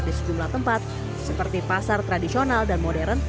di sejumlah tempat seperti pasar tradisional dan modern